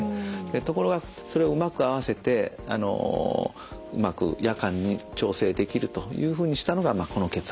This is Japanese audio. ところがそれをうまく合わせてうまく夜間に調整できるというふうにしたのがこの血圧計なんですね。